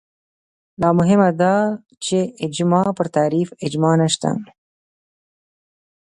لا مهمه دا چې اجماع پر تعریف اجماع نشته